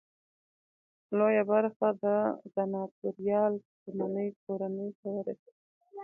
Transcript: لویه برخه د سناتوریال شتمنۍ کورنۍ ته ورسېده.